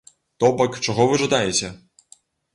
То бок, чаго вы жадаеце?